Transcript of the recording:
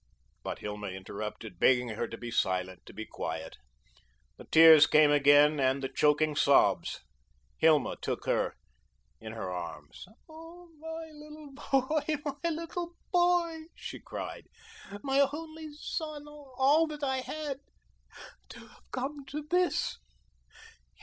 But Hilma interrupted, begging her to be silent, to be quiet. The tears came again then and the choking sobs. Hilma took her in her arms. "Oh, my little boy, my little boy," she cried. "My only son, all that I had, to have come to this!